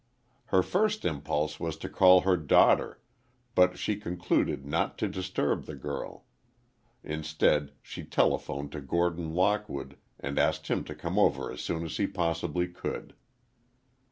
Her first impulse was to call her daughter, but she concluded not to disturb the girl. Instead, she telephoned to Gordon Lockwood, and asked him to come over as soon as he possibly could.